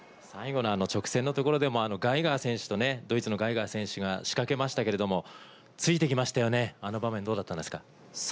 最後の直線の所でも、ガイガー選手とね、ドイツのガイガー選手が仕掛けましたけれども、ついていきましたよね、あの場面、どうだったんですか？